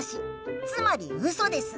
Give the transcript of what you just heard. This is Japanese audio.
つまりウソです。